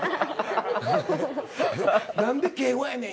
何で敬語やねん！